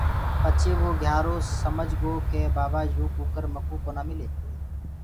پڇي وو گھيارو سمج گو ڪي بآبآ يو ڪُڪَر مڪٚو ڪونآ مِلي۔